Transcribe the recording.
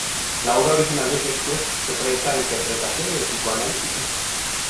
La obra original de Shakespeare se presta a interpretaciones psicoanalíticas.